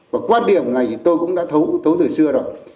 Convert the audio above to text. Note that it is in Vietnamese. và quan điểm này tôi cũng đã thấu từ xưa rồi